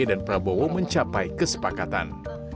dan prabowo mencapai kesepakatan